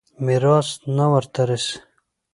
ميراث نه ورته رسېږي.